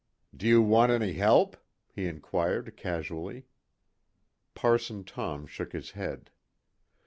"Do you want any help?" he inquired casually. Parson Tom shook his head.